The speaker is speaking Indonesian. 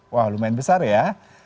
wah lumayan besar ya